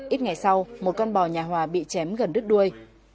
ít ngày sau một con bò nhà hòa bị chém gần đứt đuôi